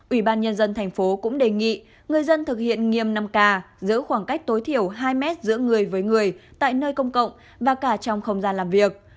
ủy ban nhân dân thành phố cũng đề nghị người dân thực hiện nghiêm năm k giữ khoảng cách tối thiểu hai mét giữa người với người tại nơi công cộng và cả trong không gian làm việc